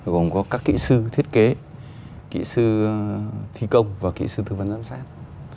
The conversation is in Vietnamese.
gồm có các kỹ sư thiết kế kỹ sư thi công và kỹ sư tư vấn giám sát